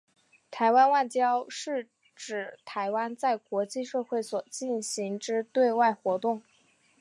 台湾外交是指台湾在国际社会所进行之对外活动。